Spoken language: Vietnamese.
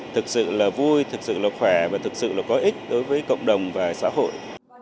thật sự vui thật sự khỏe và thật sự có ích đối với cộng đồng và xã hội